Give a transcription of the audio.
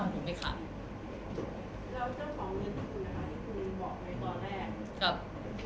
หรือห่วงเป็นต้องโอน